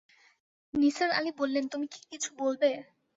নিসার আলি বললেন, তুমি কি কিছু বলবে?